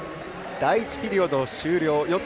第１ピリオド終了。